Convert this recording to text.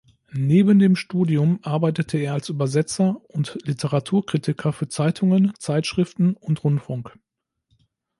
Neben dem Studium arbeitete er als Übersetzer und Literaturkritiker für Zeitungen, Zeitschriften und Rundfunk.